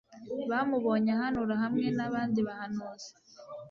bamubonye ahanura hamwe n'abandi bahanuzi